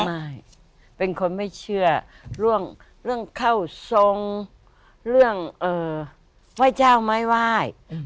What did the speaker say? ไม่เป็นคนไม่เชื่อเรื่องเข้าทรงเรื่องไหว้เจ้าไม้ไหว้